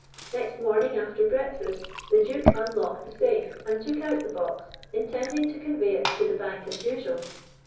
"Next morning, after breakfast, the Duke unlocked the safe and took out the box, intending to convey it to the bank as usual.